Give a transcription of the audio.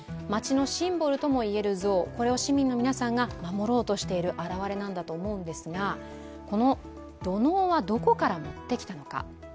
街のシンボルとも言える像、これを市民の皆さんが守ろうとしている表れだと思うんですが、この土のうはどこから持ってきたのか。